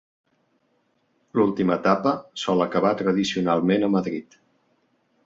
L'última etapa sol acabar tradicionalment a Madrid.